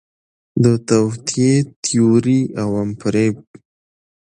د توطئې تیوري، عوام فریب